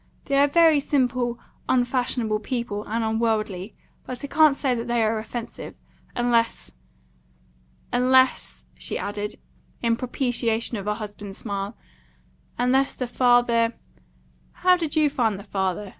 They are very simple, unfashionable people, and unworldly; but I can't say that they are offensive, unless unless," she added, in propitiation of her husband's smile, "unless the father how did you find the father?"